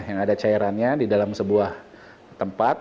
yang ada cairannya di dalam sebuah tempat